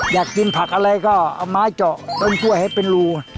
อยากกินผักอะไรก็เอาไม้เจาะต้นกล้วยให้เป็นรู